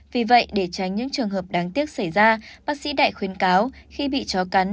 vì vậy để tránh những trường hợp đáng tiếc xảy ra bác sĩ đại khuyến cáo khi bị chó cắn